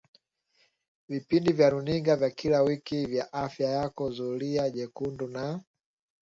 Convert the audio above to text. vipindi vya runinga vya kila wiki vya Afya Yako Zulia Jekundu na